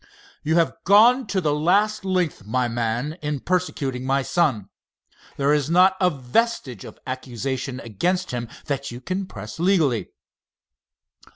"You have gone to the last length, my man, in persecuting my son. There is not a vestige of accusation against him that you can press legally."